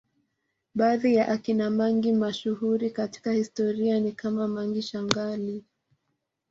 Baadhi ya akina mangi mashuhuri katika historia ni kama Mangi Shangali